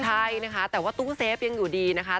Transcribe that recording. ใช่นะคะแต่ว่าตู้เซฟยังอยู่ดีนะคะ